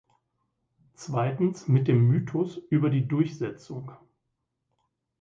Zweitens mit dem Mythos über die Durchsetzung.